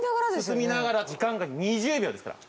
進みながら時間が２０秒ですから。